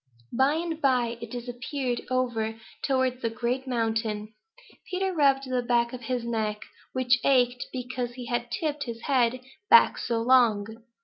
By and by it disappeared over towards the Great Mountain. Peter rubbed the back of his neck, which ached because he had tipped his head back so long.